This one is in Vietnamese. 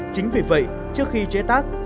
chính vì vậy trước khi chế tác